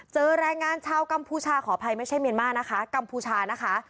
เจอแรงงานชาวกัมพูชาขออภัยไม่ใช่เมียนมานะคะกัมพูชานะคะ